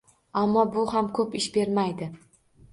Ammo bu ham ko`p ish bermaydi